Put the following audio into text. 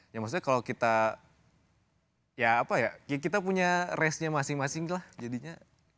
ya maksudnya kalau kita ya apa ya kita punya race nya masing masing lah jadinya